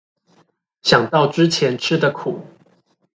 想到之前吃的苦